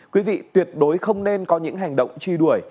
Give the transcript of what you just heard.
quý vị tuyệt đối không nên có những hành động truy đuổi